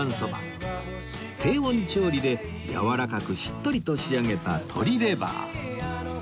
低温調理でやわらかくしっとりと仕上げた鶏レバー